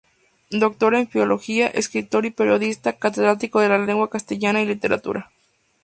Doctor en Filología, escritor y periodista, Catedrático de Lengua castellana y Literatura.